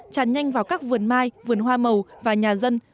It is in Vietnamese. tràn nhanh vào các vườn mai vườn hoa màu và nhà dân